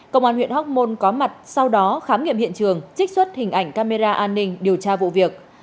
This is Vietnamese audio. công an huyện hóc môn có mặt sau đó khám nghiệm hiện trường trích xuất hình ảnh camera an ninh điều tra vụ việc